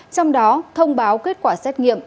trong đó thông báo kết quả xét nghiệm